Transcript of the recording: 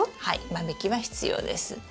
はい間引きは必要です。